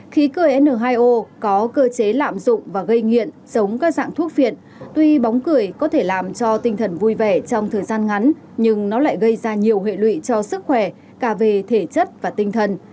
khí cười n hai o có cơ chế lạm dụng và gây nghiện sống các dạng thuốc viện tuy bóng cười có thể làm cho tinh thần vui vẻ trong thời gian ngắn nhưng nó lại gây ra nhiều hệ lụy cho sức khỏe cả về thể chất và tinh thần